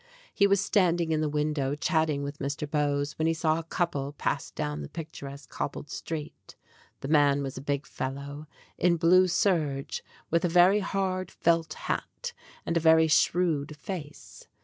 He was standing in the window chatting with Mr. Bowes when he saw a couple pass down the pictur esque cobbled street. The man was a big fellow, in blue serge, with a very hard felt hat and a very shrewd face.